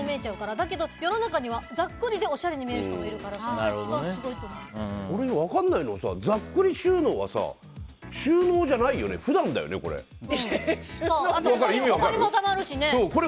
だけど、世の中にはざっくりでおしゃれに見える人もいるから俺が分からないのはざっくり収納は収納じゃないよね普段だよね、これ。